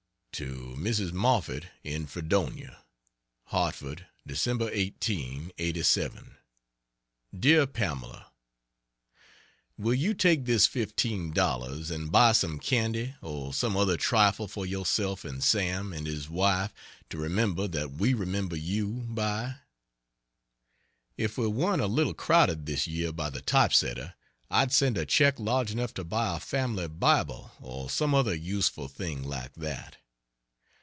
To Mrs. Moffett, in Fredonia: HARTFORD, Dec. 18, '87. DEAR PAMELA, will you take this $15 and buy some candy or some other trifle for yourself and Sam and his wife to remember that we remember you, by? If we weren't a little crowded this year by the typesetter, I'd send a check large enough to buy a family Bible or some other useful thing like that.